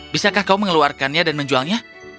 bisakah kau mengeluarkannya dan menjualnya